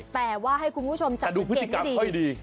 แต่ว่าให้คุณผู้ชมจัดสะเก็บก็ดี